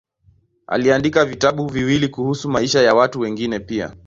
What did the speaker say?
Aliandika vitabu viwili kuhusu maisha ya watu wengine pia.